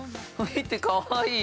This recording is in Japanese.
見て、かわいい。